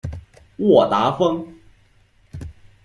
沃达丰